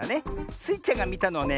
スイちゃんがみたのはね